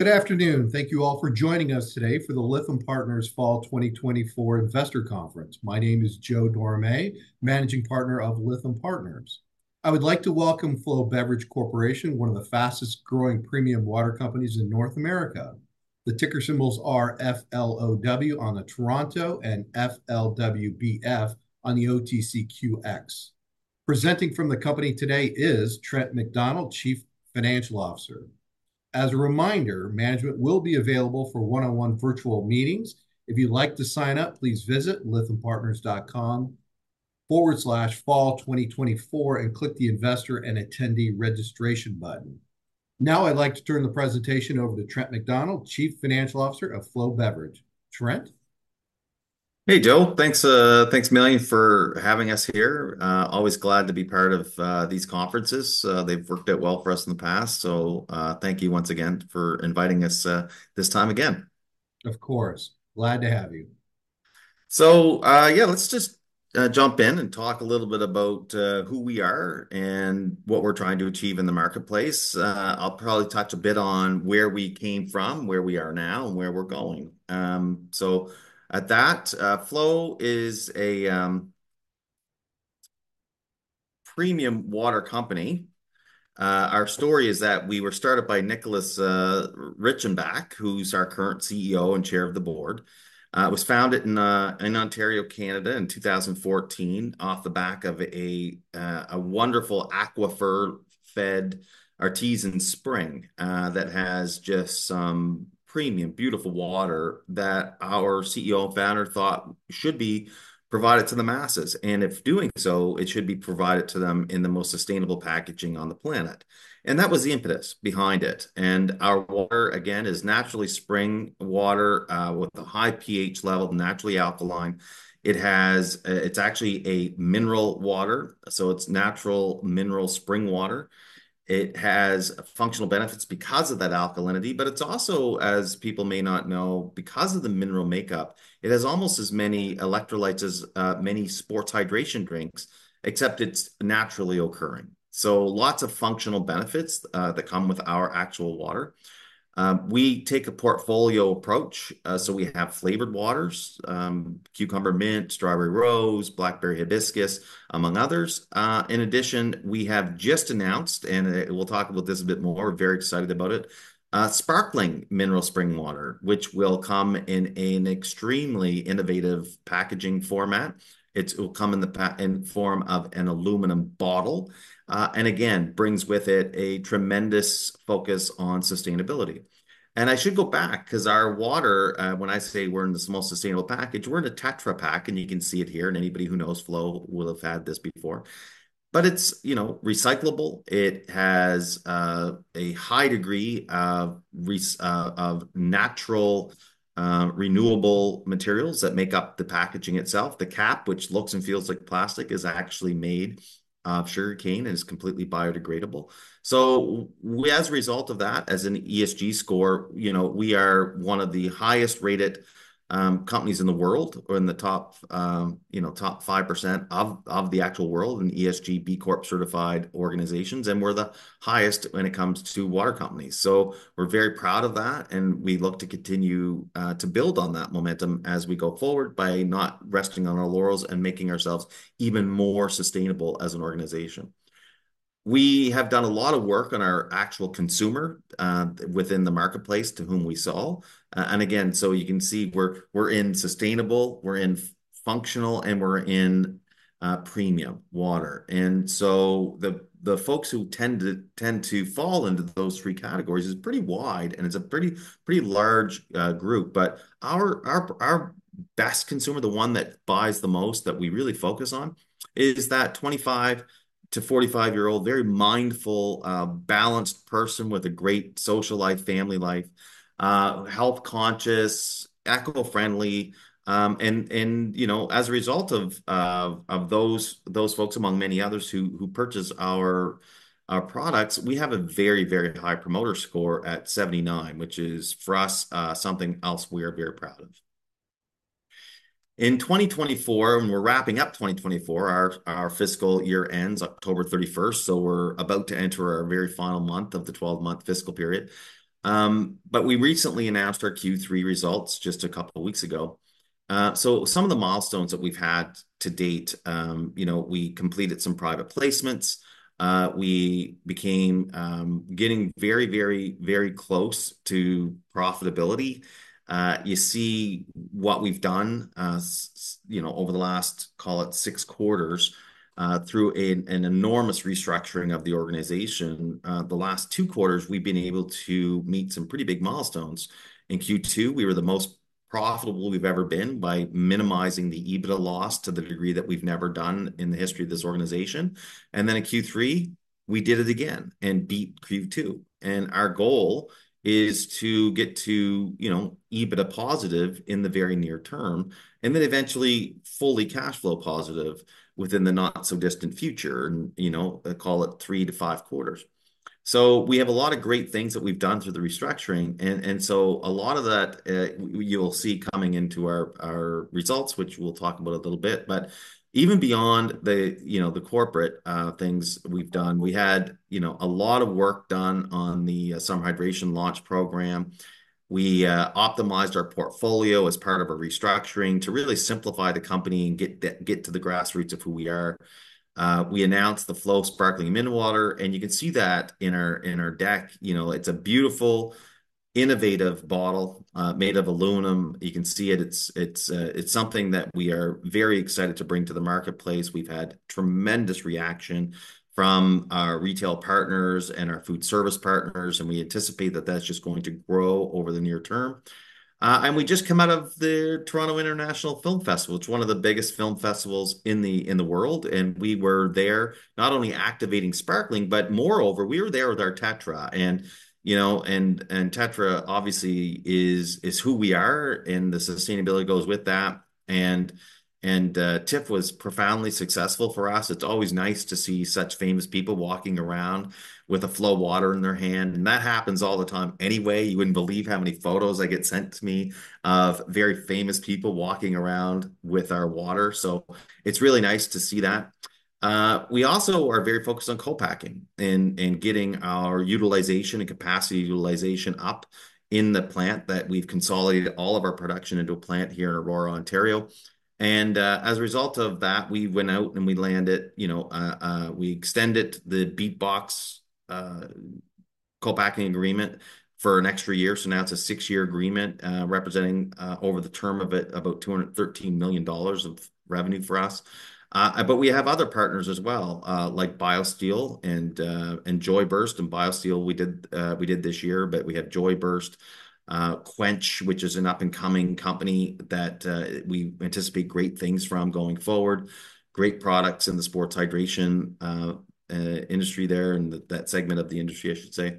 Good afternoon. Thank you all for joining us today for the Lytham Partners Fall 2024 Investor Conference. My name is Joe Dorame, Managing Partner of Lytham Partners. I would like to welcome Flow Beverage Corporation, one of the fastest-growing premium water companies in North America. The ticker symbols are F-L-O-W on the Toronto and F-L-W-B-F on the OTCQX. Presenting from the company today is Trent MacDonald, Chief Financial Officer. As a reminder, management will be available for one-on-one virtual meetings. If you'd like to sign up, please visit lythampartners.com/fall2024 and click the Investor and Attendee Registration button. Now, I'd like to turn the presentation over to Trent MacDonald, Chief Financial Officer of Flow Beverage. Trent? Hey, Joe. Thanks a million for having us here. Always glad to be part of these conferences. They've worked out well for us in the past, so thank you once again for inviting us this time again. Of course. Glad to have you. Yeah, let's just jump in and talk a little bit about who we are and what we're trying to achieve in the marketplace. I'll probably touch a bit on where we came from, where we are now, and where we're going. So at that, Flow is a premium water company. Our story is that we were started by Nicholas Reichenbach, who's our current CEO and Chair of the Board. It was founded in Ontario, Canada, in 2014, off the back of a wonderful aquifer-fed artesian spring that has just some premium, beautiful water that our CEO, founder, thought should be provided to the masses, and if doing so, it should be provided to them in the most sustainable packaging on the planet, and that was the impetus behind it. Our water, again, is naturally spring water, with a high pH level, naturally alkaline. It's actually a mineral water, so it's natural mineral spring water. It has functional benefits because of that alkalinity, but it's also, as people may not know, because of the mineral makeup, it has almost as many electrolytes as many sports hydration drinks, except it's naturally occurring, so lots of functional benefits that come with our actual water. We take a portfolio approach, so we have flavored waters, Cucumber + Mint, Strawberry + Rose, Blackberry + Hibiscus, among others. In addition, we have just announced, and we'll talk about this a bit more, very excited about it, sparkling mineral spring water, which will come in an extremely innovative packaging format. It will come in the form of an aluminum bottle, and again, brings with it a tremendous focus on sustainability. And I should go back, 'cause our water, when I say we're in the most sustainable package, we're in a Tetra Pak, and you can see it here, and anybody who knows Flow will have had this before. But it's, you know, recyclable. It has a high degree of natural, renewable materials that make up the packaging itself. The cap, which looks and feels like plastic, is actually made of sugarcane and is completely biodegradable. So we... As a result of that, as an ESG score, you know, we are one of the highest-rated companies in the world or in the top, you know, top 5% of the actual world in ESG B Corp certified organizations, and we're the highest when it comes to water companies. So we're very proud of that, and we look to continue to build on that momentum as we go forward by not resting on our laurels and making ourselves even more sustainable as an organization. We have done a lot of work on our actual consumer within the marketplace, to whom we sell. And again, so you can see, we're in sustainable, we're in functional, and we're in premium water. The folks who tend to fall into those three categories is pretty wide, and it's a pretty large group. But our best consumer, the one that buys the most, that we really focus on, is that twenty-five to forty-five-year-old, very mindful, balanced person with a great social life, family life, health-conscious, eco-friendly. And you know, as a result of those folks, among many others, who purchase our products, we have a very high promoter score at 79, which is, for us, something else we are very proud of. In 2024, and we're wrapping up 2024, our fiscal year ends October 31st, so we're about to enter our very final month of the twelve-month fiscal period. But we recently announced our Q3 results just a couple of weeks ago. Some of the milestones that we've had to date, you know, we completed some private placements. We're getting very close to profitability. You see what we've done, you know, over the last, call it, six quarters, through an enormous restructuring of the organization. The last two quarters, we've been able to meet some pretty big milestones. In Q2, we were the most profitable we've ever been by minimizing the EBITDA loss to the degree that we've never done in the history of this organization, and then in Q3, we did it again and beat Q2. Our goal is to get to, you know, EBITDA positive in the very near term, and then eventually, fully cash flow positive within the not-so-distant future, and, you know, call it three to five quarters. So we have a lot of great things that we've done through the restructuring, and, and so a lot of that, you'll see coming into our, our results, which we'll talk about a little bit. But even beyond the, you know, the corporate, things we've done, we had, you know, a lot of work done on the, summer hydration launch program. We optimized our portfolio as part of a restructuring to really simplify the company and get to the grassroots of who we are. We announced the Flow Sparkling Mineral Water, and you can see that in our, in our deck. You know, it's a beautiful, innovative bottle, made of aluminum. You can see it. It's something that we are very excited to bring to the marketplace. We've had tremendous reaction from our retail partners and our food service partners, and we anticipate that that's just going to grow over the near term, and we just come out of the Toronto International Film Festival. It's one of the biggest film festivals in the world, and we were there not only activating Sparkling, but moreover, we were there with our Tetra. You know, Tetra obviously is who we are, and the sustainability goes with that, and TIFF was profoundly successful for us. It's always nice to see such famous people walking around with a Flow water in their hand, and that happens all the time anyway. You wouldn't believe how many photos I get sent to me of very famous people walking around with our water, so it's really nice to see that. We also are very focused on co-packing and getting our utilization and capacity utilization up in the plant that we've consolidated all of our production into a plant here in Aurora, Ontario. As a result of that, we went out and we landed. You know, we extended the BeatBox co-packing agreement for an extra year, so now it's a six-year agreement representing over the term of it about 213 million dollars of revenue for us. But we have other partners as well like BioSteel and Joyburst. BioSteel we did this year, but we have Joyburst, Cwench, which is an up-and-coming company that we anticipate great things from going forward. Great products in the sports hydration industry there, in that segment of the industry, I should say.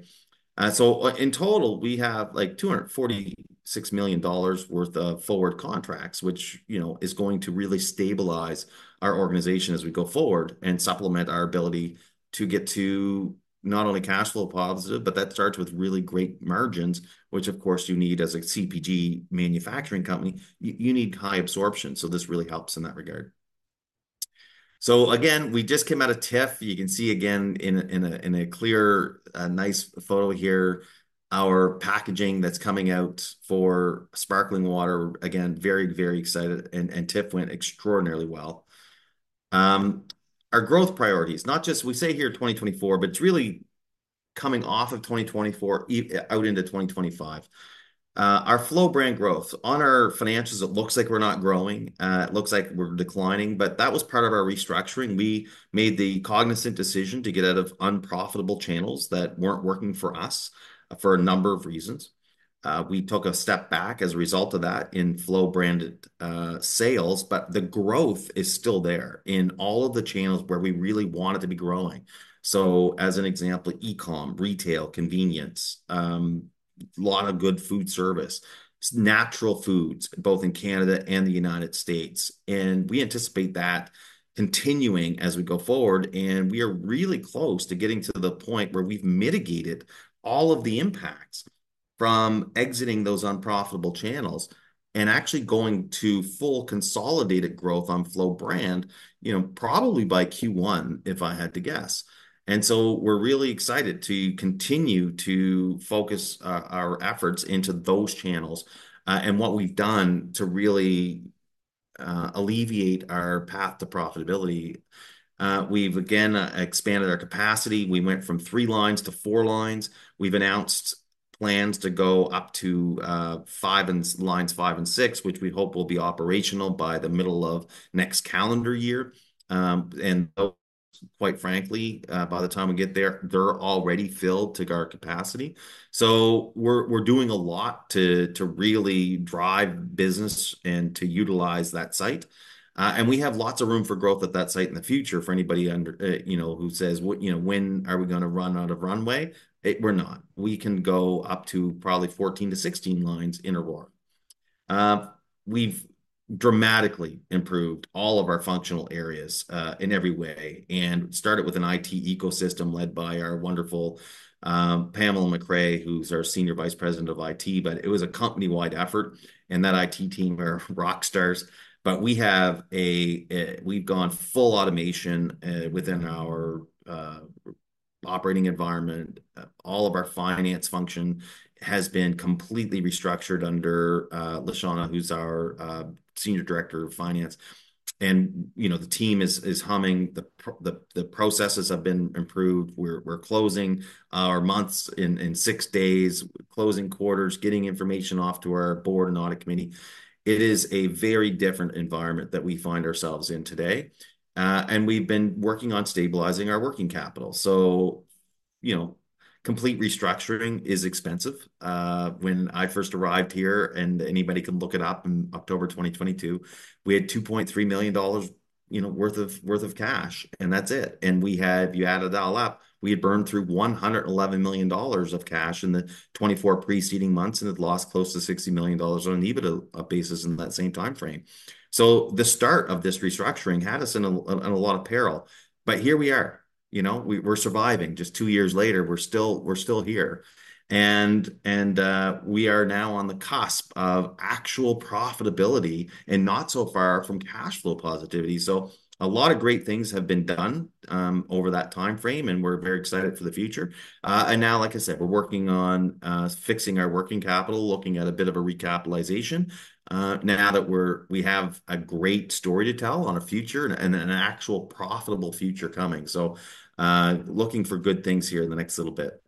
So in total, we have, like, 246 million dollars worth of forward contracts, which, you know, is going to really stabilize our organization as we go forward and supplement our ability to get to not only cashflow positive, but that starts with really great margins, which of course you need as a CPG manufacturing company. You need high absorption, so this really helps in that regard. So again, we just came out of TIFF. You can see again in a clear, nice photo here our packaging that's coming out for sparkling water. Again, very, very excited, and TIFF went extraordinarily well. Our growth priorities, not just. We say here 2024, but it's really coming off of 2024, out into 2025. Our Flow brand growth, on our financials, it looks like we're not growing. It looks like we're declining, but that was part of our restructuring. We made the cognizant decision to get out of unprofitable channels that weren't working for us, for a number of reasons. We took a step back as a result of that in Flow-branded sales, but the growth is still there in all of the channels where we really want it to be growing. So as an example, e-com, retail, convenience, a lot of good food service, natural foods, both in Canada and the United States, and we anticipate that continuing as we go forward. We are really close to getting to the point where we've mitigated all of the impacts from exiting those unprofitable channels and actually going to full consolidated growth on Flow brand, you know, probably by Q1, if I had to guess. We're really excited to continue to focus our efforts into those channels, and what we've done to really alleviate our path to profitability. We've again expanded our capacity. We went from three lines to four lines. We've announced plans to go up to five and six, which we hope will be operational by the middle of next calendar year. Quite frankly, by the time we get there, they're already filled to our capacity. We're doing a lot to really drive business and to utilize that site, and we have lots of room for growth at that site in the future for anybody you know who says, "What you know, when are we gonna run out of runway?" We're not. We can go up to probably 14-16 lines in Aurora. We've dramatically improved all of our functional areas in every way and started with an IT ecosystem led by our wonderful Pamela McCray, who's our Senior Vice President of IT. But it was a company-wide effort, and that IT team are rock stars. But we have a. We've gone full automation within our operating environment. All of our finance function has been completely restructured under Lashana, who's our Senior Director of Finance, and, you know, the team is humming. The processes have been improved. We're closing our months in six days, closing quarters, getting information off to our board and audit committee. It is a very different environment that we find ourselves in today, and we've been working on stabilizing our working capital. So, you know, complete restructuring is expensive. When I first arrived here, and anybody can look it up, in October 2022, we had 2.3 million dollars, you know, worth of cash, and that's it. And we had... If you add it all up, we had burned through 111 million dollars of cash in the 24 preceding months and had lost close to 60 million dollars on an EBITDA basis in that same timeframe. So the start of this restructuring had us in a lot of peril, but here we are. You know, we're surviving. Just two years later, we're still here. And we are now on the cusp of actual profitability and not so far from cash flow positivity. So a lot of great things have been done over that timeframe, and we're very excited for the future. And now, like I said, we're working on fixing our working capital, looking at a bit of a recapitalization, now that we have a great story to tell on our future and an actual profitable future coming. So looking for good things here in the next little bit.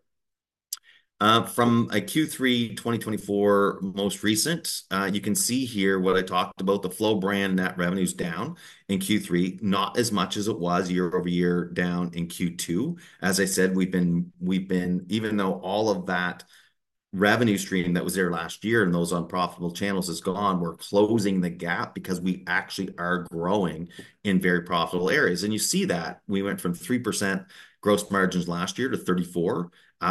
From a Q3 2024 most recent, you can see here what I talked about, the Flow brand net revenue's down in Q3. Not as much as it was year-over-year, down in Q2. As I said, we've been even though all of that revenue streaming that was there last year and those unprofitable channels is gone, we're closing the gap because we actually are growing in very profitable areas. And you see that. We went from 3% gross margins last year to 34%.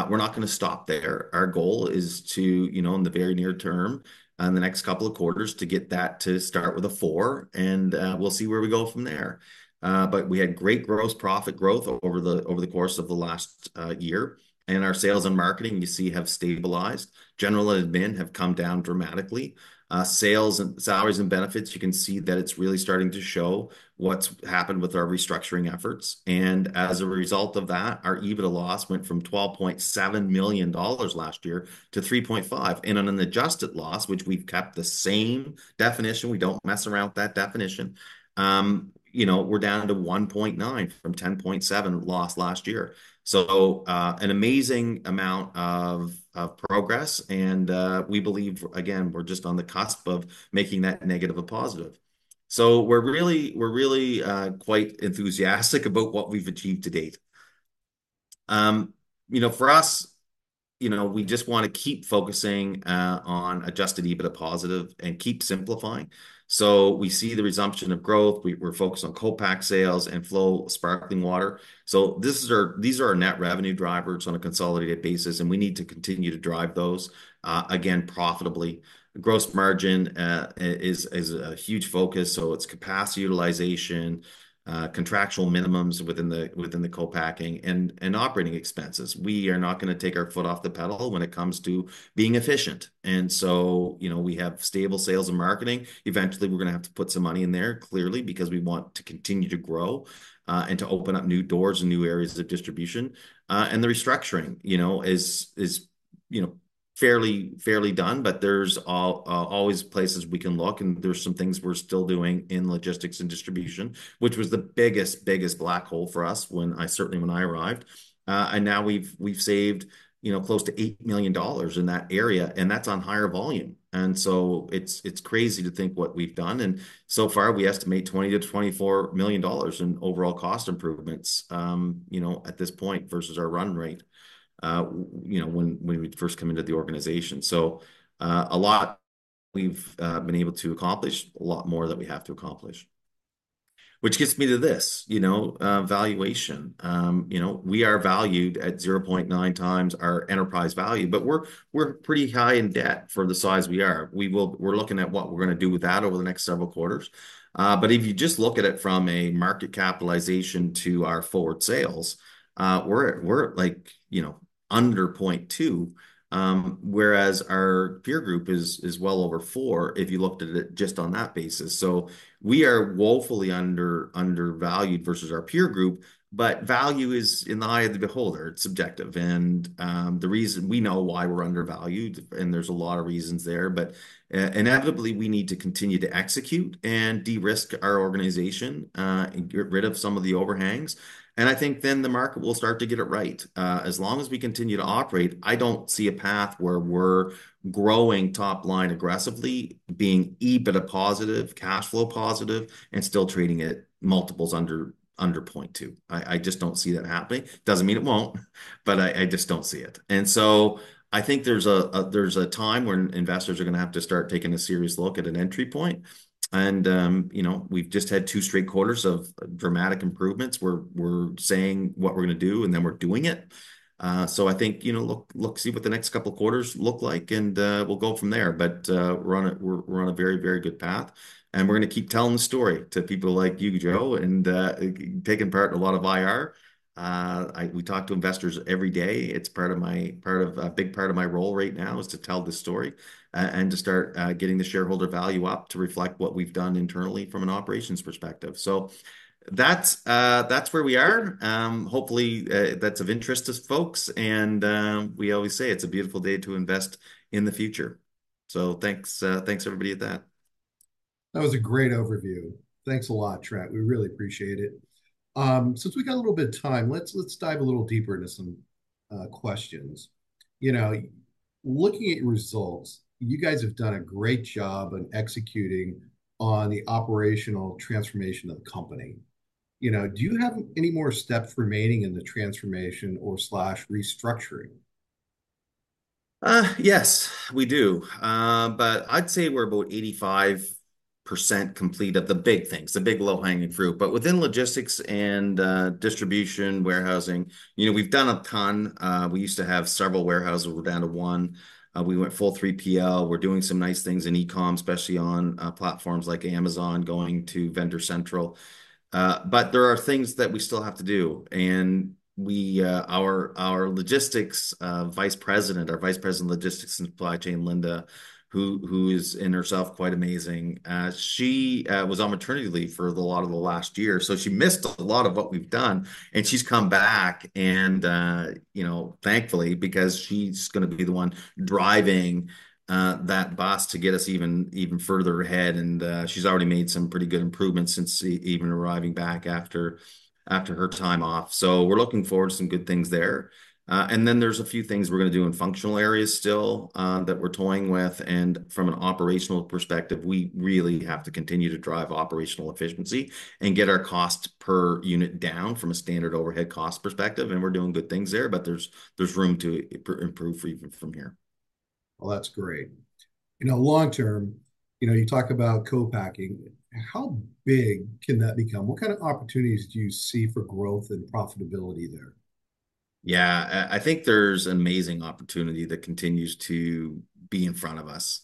We're not gonna stop there. Our goal is to, you know, in the very near term, in the next couple of quarters, to get that to start with a four, and we'll see where we go from there. We had great gross profit growth over the course of the last year, and our sales and marketing, you see, have stabilized. General admin have come down dramatically. Sales and salaries and benefits, you can see that it's really starting to show what's happened with our restructuring efforts. As a result of that, our EBITDA loss went from 12.7 million dollars last year to 3.5 million. On an adjusted loss, which we've kept the same definition, we don't mess around with that definition, you know, we're down to 1.9 million from 10.7 million loss last year. So an amazing amount of progress and we believe, again, we're just on the cusp of making that negative a positive. We're really, we're really quite enthusiastic about what we've achieved to date. You know, for us, you know, we just wanna keep focusing on Adjusted EBITDA positive and keep simplifying. We see the resumption of growth. We're focused on co-pack sales and Flow sparkling water. So this is our... These are our net revenue drivers on a consolidated basis, and we need to continue to drive those, again, profitably. Gross margin is a huge focus, so it's capacity utilization, contractual minimums within the co-packing, and operating expenses. We are not gonna take our foot off the pedal when it comes to being efficient, and so you know, we have stable sales and marketing. Eventually, we're gonna have to put some money in there, clearly, because we want to continue to grow and to open up new doors and new areas of distribution. The restructuring, you know, is, you know, fairly done, but there's always places we can look, and there's some things we're still doing in logistics and distribution, which was the biggest black hole for us when I certainly arrived. Now we've saved, you know, close to 8 million dollars in that area, and that's on higher volume. So it's crazy to think what we've done, and so far, we estimate 20 million- 24 million dollars in overall cost improvements, you know, at this point, versus our run rate, you know, when we first came into the organization. So, a lot we've been able to accomplish, a lot more that we have to accomplish. Which gets me to this, you know, valuation. You know, we are valued at zero point nine times our enterprise value, but we're pretty high in debt for the size we are. We're looking at what we're gonna do with that over the next several quarters. But if you just look at it from a market capitalization to our forward sales, we're at, like, you know, under point two, whereas our peer group is well over four, if you looked at it just on that basis. So we are woefully undervalued versus our peer group, but value is in the eye of the beholder. It's subjective. We know why we're undervalued, and there's a lot of reasons there, but inevitably, we need to continue to execute and de-risk our organization, and get rid of some of the overhangs. I think then the market will start to get it right. As long as we continue to operate, I don't see a path where we're growing top line aggressively, being EBITDA positive, cash flow positive, and still trading at multiples under point two. I just don't see that happening. Doesn't mean it won't, but I just don't see it. I think there's a time when investors are gonna have to start taking a serious look at an entry point. You know, we've just had two straight quarters of dramatic improvements. We're saying what we're gonna do, and then we're doing it. So I think, you know, look, see what the next couple quarters look like, and we'll go from there. But we're on a very, very good path, and we're gonna keep telling the story to people like you, Joe, and taking part in a lot of IR. We talk to investors every day. It's a big part of my role right now to tell the story and to start getting the shareholder value up to reflect what we've done internally from an operations perspective. So that's where we are. Hopefully, that's of interest to folks, and we always say, "It's a beautiful day to invest in the future." So thanks, everybody, at that. That was a great overview. Thanks a lot, Trent. We really appreciate it. Since we got a little bit of time, let's dive a little deeper into some questions. You know, looking at results, you guys have done a great job on executing on the operational transformation of the company. You know, do you have any more steps remaining in the transformation or slash restructuring? Yes, we do, but I'd say we're about 85% complete of the big things, the big low-hanging fruit, but within logistics and distribution, warehousing, you know, we've done a ton. We used to have several warehouses. We're down to one. We went full 3PL. We're doing some nice things in e-com, especially on platforms like Amazon, going to Vendor Central. But there are things that we still have to do, and our Vice President of Logistics and Supply Chain, Linda, who is in herself quite amazing, she was on maternity leave for a lot of the last year, so she missed a lot of what we've done, and she's come back, you know, thankfully, because she's gonna be the one driving that bus to get us even further ahead. She's already made some pretty good improvements since even arriving back after her time off. So we're looking forward to some good things there. And then there's a few things we're gonna do in functional areas still that we're toying with, and from an operational perspective, we really have to continue to drive operational efficiency and get our cost per unit down from a standard overhead cost perspective, and we're doing good things there, but there's room to improve even from here. Well, that's great. You know, long term, you know, you talk about co-packing. How big can that become? What kind of opportunities do you see for growth and profitability there? Yeah, I think there's amazing opportunity that continues to be in front of us.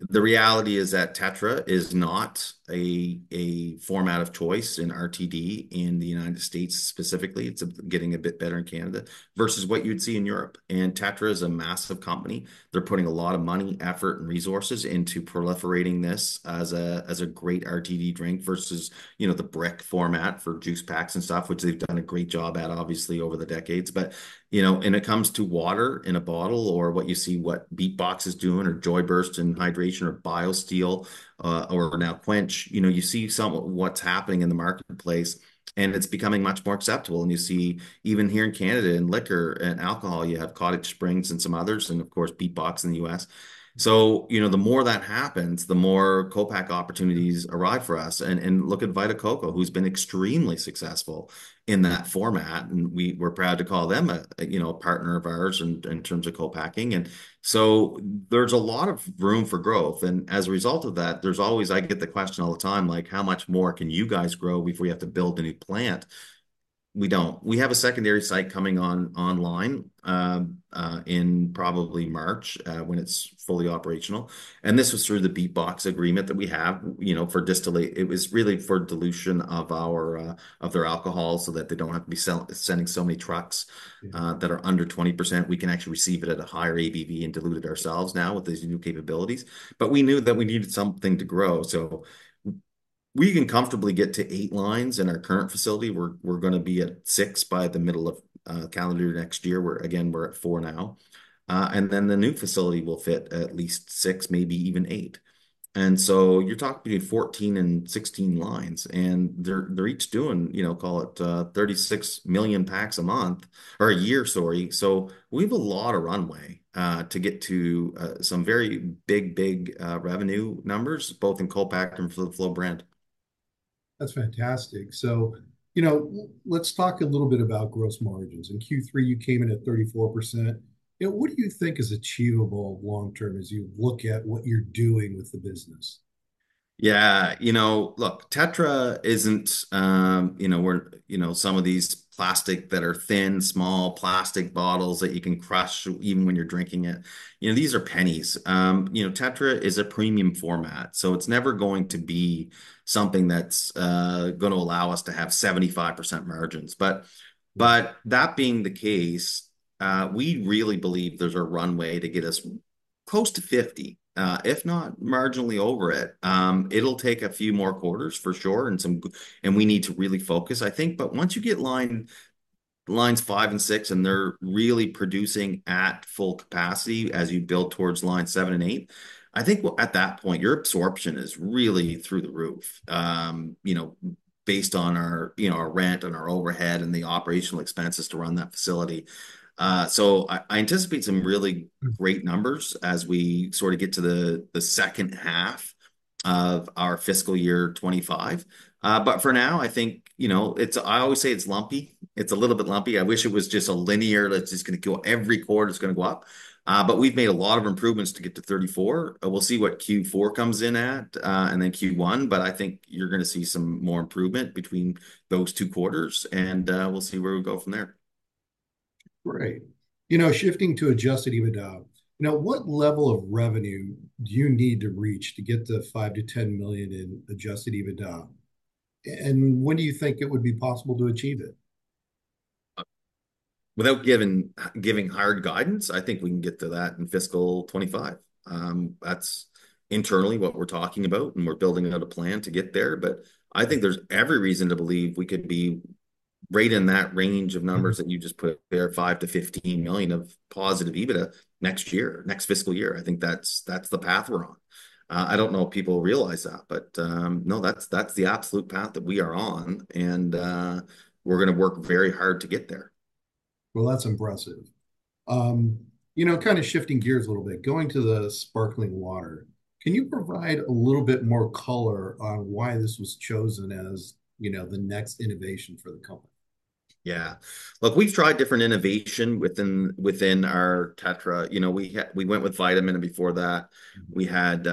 The reality is that Tetra is not a format of choice in RTD in the United States specifically. It's getting a bit better in Canada, versus what you'd see in Europe. Tetra is a massive company. They're putting a lot of money, effort, and resources into proliferating this as a great RTD drink versus, you know, the brick format for juice packs and stuff, which they've done a great job at, obviously, over the decades. You know, when it comes to water in a bottle or what you see BeatBox is doing, or Joyburst in hydration, or BioSteel, or now Cwench, you know, you see some of what's happening in the marketplace, and it's becoming much more acceptable. You see even here in Canada, in liquor and alcohol, you have Cottage Springs and some others, and of course, BeatBox in the US, so you know, the more that happens, the more co-pack opportunities arrive for us, and look at Vita Coco, who's been extremely successful in that format, and we're proud to call them a, you know, a partner of ours in terms of co-packing. And so there's a lot of room for growth, and as a result of that, there's always... I get the question all the time, like, "How much more can you guys grow if we have to build a new plant?" We don't. We have a secondary site coming online in probably March when it's fully operational, and this was through the BeatBox agreement that we have, you know, for distillate. It was really for dilution of our, of their alcohol, so that they don't have to be sending so many trucks. Yeah... that are under 20%. We can actually receive it at a higher ABV and dilute it ourselves now with these new capabilities. But we knew that we needed something to grow, so we can comfortably get to eight lines in our current facility. We're gonna be at six by the middle of calendar next year, where, again, we're at four now. And then the new facility will fit at least six, maybe even eight. And so you're talking between 14 and 16 lines, and they're each doing, you know, call it 36 million packs a month, or a year, sorry. So we have a lot of runway to get to some very big revenue numbers, both in co-pack and for the Flow brand. That's fantastic. So, you know, let's talk a little bit about gross margins. In Q3, you came in at 34%. You know, what do you think is achievable long term as you look at what you're doing with the business? Yeah, you know, look, Tetra isn't, you know, we're, you know, some of these plastic that are thin, small plastic bottles that you can crush even when you're drinking it, you know, these are pennies. You know, Tetra is a premium format, so it's never going to be something that's gonna allow us to have 75% margins. But, but that being the case, we really believe there's a runway to get us close to 50%, if not marginally over it. It'll take a few more quarters, for sure, and some and we need to really focus, I think. But once you get line, lines five and six, and they're really producing at full capacity as you build towards line seven and eight, I think at that point, your absorption is really through the roof. You know, based on our, you know, our rent and our overhead and the operational expenses to run that facility. So I anticipate some really great numbers-... as we sort of get to the second half of our fiscal year twenty-five. But for now, I think, you know, it's... I always say it's lumpy. It's a little bit lumpy. I wish it was just a linear, "Let's just gonna go, every quarter it's gonna go up." But we've made a lot of improvements to get to thirty-four. We'll see what Q4 comes in at, and then Q1, but I think you're gonna see some more improvement between those two quarters, and we'll see where we go from there. Great. You know, shifting to Adjusted EBITDA, now, what level of revenue do you need to reach to get to 5-10 million in Adjusted EBITDA, and when do you think it would be possible to achieve it? Without giving hard guidance, I think we can get to that in fiscal 2025. That's internally what we're talking about, and we're building out a plan to get there. But I think there's every reason to believe we could be right in that range of numbers-... that you just put there, 5-15 million of positive EBITDA next year, next fiscal year. I think that's the path we're on. I don't know if people realize that, but no, that's the absolute path that we are on, and we're gonna work very hard to get there. That's impressive. You know, kind of shifting gears a little bit, going to the sparkling water, can you provide a little bit more color on why this was chosen as, you know, the next innovation for the company? Yeah. Look, we've tried different innovation within our Tetra. You know, we went with Vitamin, and before that, we had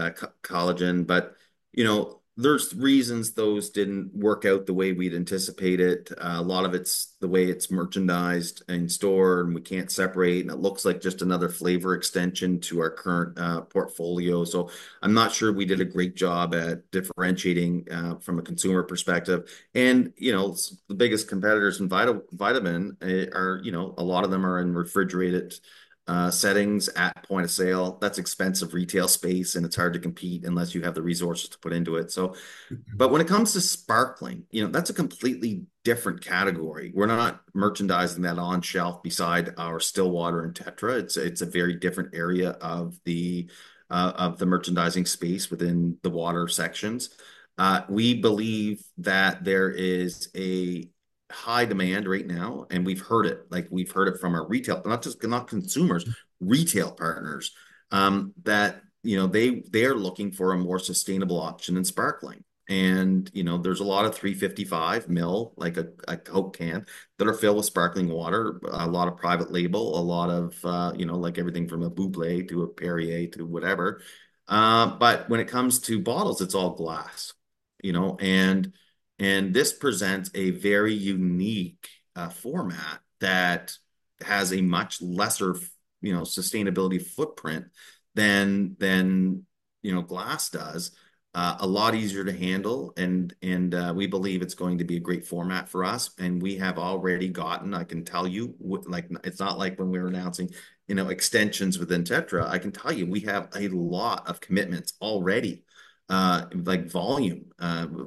collagen. But, you know, there's reasons those didn't work out the way we'd anticipated. A lot of it's the way it's merchandised in store, and we can't separate, and it looks like just another flavor extension to our current portfolio. So I'm not sure we did a great job at differentiating from a consumer perspective. And, you know, the biggest competitors in Vitamin are, you know, a lot of them are in refrigerated settings at point of sale. That's expensive retail space, and it's hard to compete unless you have the resources to put into it, so. But when it comes to sparkling, you know, that's a completely different category. We're not merchandising that on shelf beside our still water in Tetra. It's a very different area of the merchandising space within the water sections. We believe that there is a high demand right now, and we've heard it. Like, we've heard it from our retail partners, not just consumers, retail partners, that, you know, they, they're looking for a more sustainable option in sparkling. And, you know, there's a lot of 355 ml, like a Coke can, that are filled with sparkling water, a lot of private label, a lot of, you know, like everything from a Bubly to a Perrier to whatever. But when it comes to bottles, it's all glass, you know? This presents a very unique format that has a much lesser, you know, sustainability footprint than, you know, glass does. A lot easier to handle, and we believe it's going to be a great format for us. We have already gotten, I can tell you, like, it's not like when we're announcing, you know, extensions within Tetra. I can tell you, we have a lot of commitments already, like volume,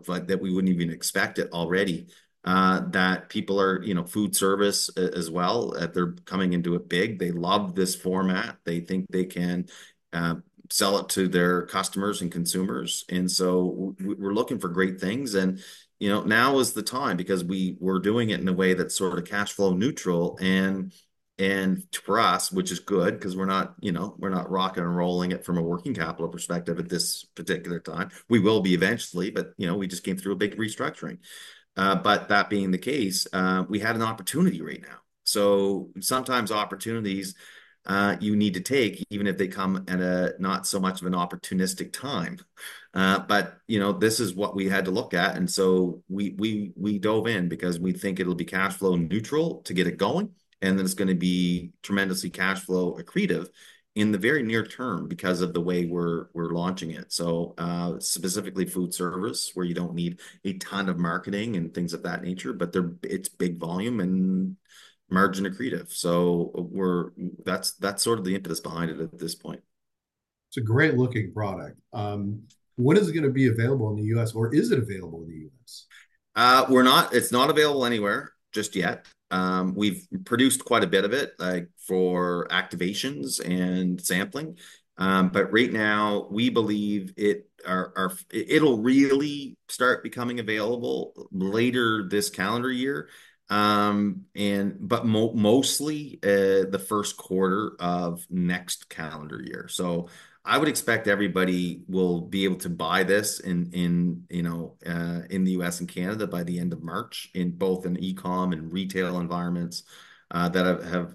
like that we wouldn't even expect it already. That people are, you know, food service as well, they're coming into it big. They love this format. They think they can sell it to their customers and consumers. And so we're looking for great things, and, you know, now is the time because we're doing it in a way that's sort of cash flow neutral. And for us, which is good, 'cause we're not, you know, we're not rock and rolling it from a working capital perspective at this particular time. We will be eventually, but, you know, we just came through a big restructuring. But that being the case, we have an opportunity right now. So sometimes opportunities you need to take, even if they come at a not so much of an opportunistic time. But, you know, this is what we had to look at, and so we dove in because we think it'll be cash flow neutral to get it going, and then it's gonna be tremendously cash flow accretive in the very near term because of the way we're launching it. So, specifically food service, where you don't need a ton of marketing and things of that nature, but it's big volume and margin accretive. So we're. That's sort of the impetus behind it at this point. It's a great-looking product. When is it gonna be available in the U.S., or is it available in the U.S.? We're not. It's not available anywhere just yet. We've produced quite a bit of it, like, for activations and sampling, but right now, we believe it'll really start becoming available later this calendar year. And mostly the first quarter of next calendar year. So I would expect everybody will be able to buy this in, you know, in the U.S. and Canada by the end of March, in both in e-com and retail environments that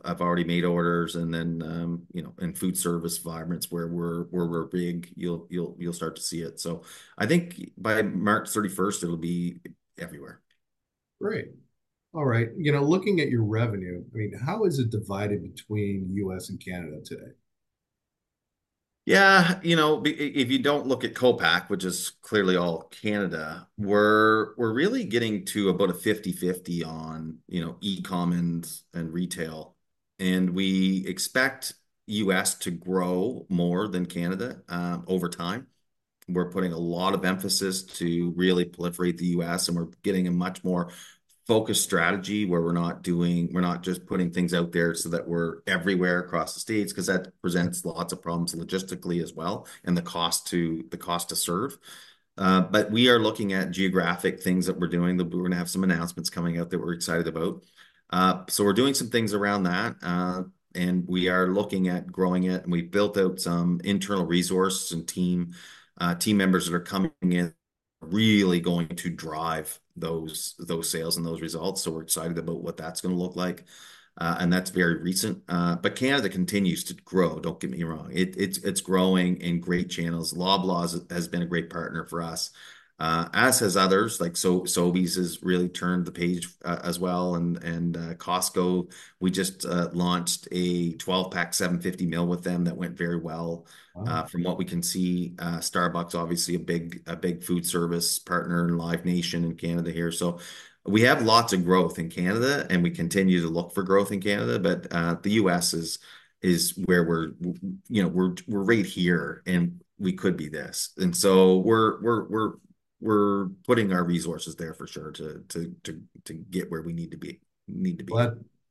have already made orders. And then, you know, in food service environments where we're big, you'll start to see it. So I think by March 31st, it'll be everywhere. Great. All right. You know, looking at your revenue, I mean, how is it divided between U.S. and Canada today? Yeah, you know, if you don't look at co-pack, which is clearly all Canada, we're really getting to about a 50/50 on, you know, e-commerce and retail. And we expect US to grow more than Canada over time. We're putting a lot of emphasis to really proliferate the US, and we're getting a much more focused strategy, where we're not just putting things out there so that we're everywhere across the States, 'cause that presents lots of problems logistically as well, and the cost to serve. But we are looking at geographic things that we're doing, that we're gonna have some announcements coming out that we're excited about. So we're doing some things around that, and we are looking at growing it, and we built out some internal resources and team, team members that are coming in, really going to drive those sales and those results. So we're excited about what that's gonna look like, and that's very recent. But Canada continues to grow. Don't get me wrong. It's growing in great channels. Loblaws has been a great partner for us, as has others, like Sobeys has really turned the page, as well, and Costco, we just launched a 12-pack 750 ml with them that went very well. Wow... from what we can see. Starbucks, obviously a big food service partner, and Live Nation in Canada here. So we have lots of growth in Canada, and we continue to look for growth in Canada, but the US is where we're, you know, we're putting our resources there for sure to get where we need to be.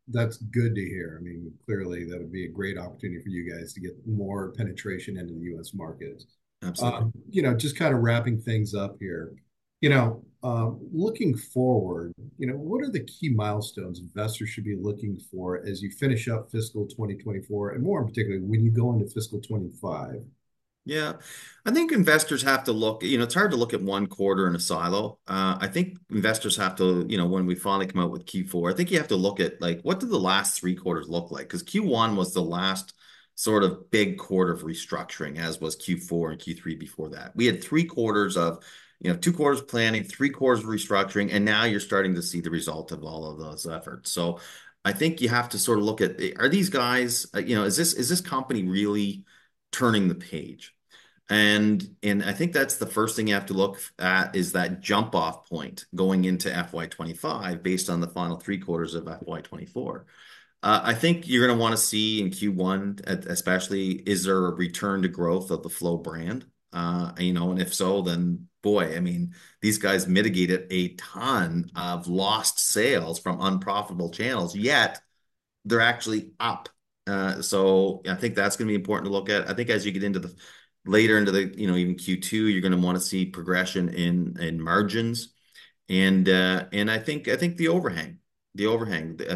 That's good to hear. I mean, clearly, that would be a great opportunity for you guys to get more penetration into the U.S. market. Absolutely. You know, just kind of wrapping things up here, you know, looking forward, you know, what are the key milestones investors should be looking for as you finish up fiscal 2024, and more in particular, when you go into fiscal 2025? Yeah, I think investors have to look. You know, it's hard to look at one quarter in a silo. I think investors have to, you know, when we finally come out with Q4, I think you have to look at, like, what did the last three quarters look like? 'Cause Q1 was the last sort of big quarter of restructuring, as was Q4 and Q3 before that. We had three quarters of, you know, two quarters of planning, three quarters of restructuring, and now you're starting to see the result of all of those efforts. So I think you have to sort of look at, are these guys, you know, is this company really turning the page? I think that's the first thing you have to look at, is that jump-off point going into FY 2025 based on the final three quarters of FY 2024. I think you're gonna wanna see in Q1, especially, is there a return to growth of the Flow brand? You know, and if so, then, boy, I mean, these guys mitigated a ton of lost sales from unprofitable channels, yet they're actually up. So I think that's gonna be important to look at. I think as you get into the later into the year, you know, even Q2, you're gonna wanna see progression in margins. And I think the overhang.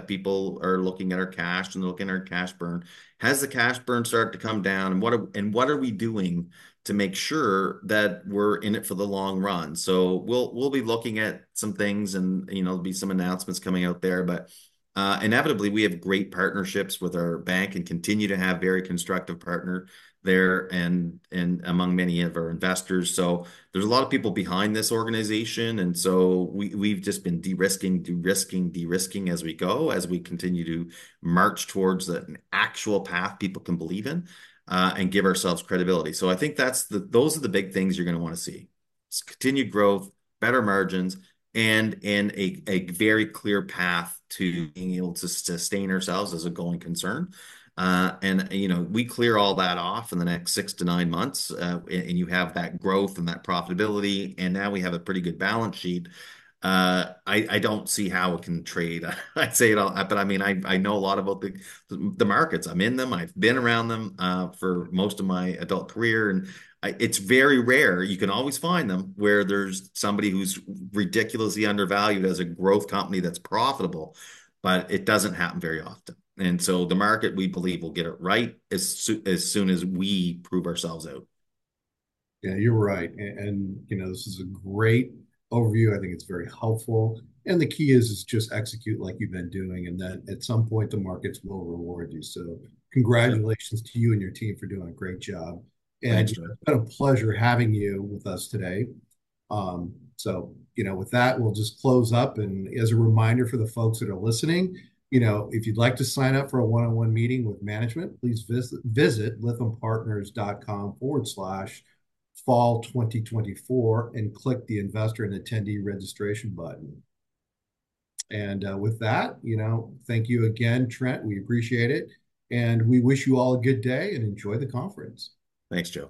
People are looking at our cash, and they're looking at our cash burn. Has the cash burn started to come down, and what are... And what are we doing to make sure that we're in it for the long run? So we'll be looking at some things and, you know, there'll be some announcements coming out there. But inevitably, we have great partnerships with our bank and continue to have very constructive partner there, and among many of our investors. So there's a lot of people behind this organization, and so we, we've just been de-risking, de-risking, de-risking as we go, as we continue to march towards an actual path people can believe in, and give ourselves credibility. So I think that's those are the big things you're gonna wanna see. Continued growth, better margins, and a very clear path to being able to sustain ourselves as a going concern. and, you know, we clear all that off in the next six to nine months, and you have that growth and that profitability, and now we have a pretty good balance sheet. I don't see how it can trade. I'd say it all. But, I mean, I know a lot about the markets. I'm in them. I've been around them for most of my adult career, and it's very rare. You can always find them, where there's somebody who's ridiculously undervalued as a growth company that's profitable, but it doesn't happen very often. And so the market, we believe, will get it right as soon as we prove ourselves out. Yeah, you're right, and you know, this is a great overview. I think it's very helpful. And the key is just to execute like you've been doing, and then at some point, the markets will reward you. So congratulations to you and your team for doing a great job. Thanks, Joe. And it's been a pleasure having you with us today. So, you know, with that, we'll just close up. And as a reminder for the folks that are listening, you know, if you'd like to sign up for a one-on-one meeting with management, please visit lythampartners.com/fall2024 and click the Investor and Attendee Registration button. And, with that, you know, thank you again, Trent. We appreciate it, and we wish you all a good day, and enjoy the conference. Thanks, Joe.